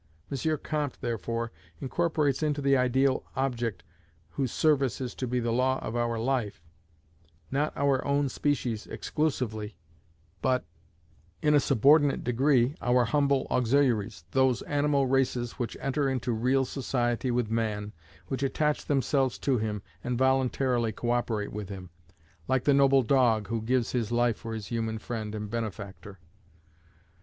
M. Comte, therefore, incorporates into the ideal object whose service is to be the law of our life, not our own species exclusively, but, in a subordinate degree, our humble auxiliaries, those animal races which enter into real society with man, which attach themselves to him, and voluntarily co operate with him, like the noble dog who gives his life for his human friend and benefactor.